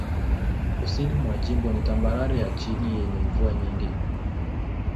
Kusini mwa jimbo ni tambarare ya chini yenye mvua nyingi.